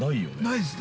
◆ないです。